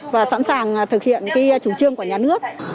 và sẵn sàng thực hiện chủ trương của nhà nước